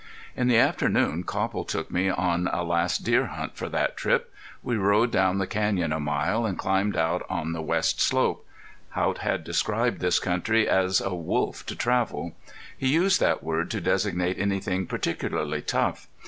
In the afternoon Copple took me on a last deer hunt for that trip. We rode down the canyon a mile, and climbed out on the west slope. Haught had described this country as a "wolf" to travel. He used that word to designate anything particularly tough.